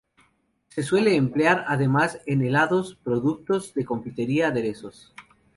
Se suele emplear además en helados, productos de confitería, aderezos.